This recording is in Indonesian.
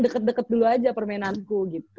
deket deket dulu aja permainanku gitu